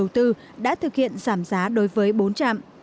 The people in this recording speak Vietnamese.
bộ giao thông vận tải đã thực hiện giảm giá đối với bốn trạm